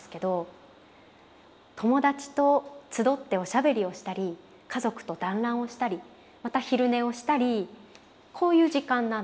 友達と集っておしゃべりをしたり家族と団欒をしたりまた昼寝をしたりこういう時間なんですよね。